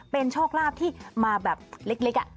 เป็นโชคลาภที่มาแบบเล็ก